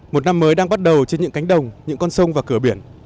một năm mới đang bắt đầu trên những cánh đồng những con sông và cửa biển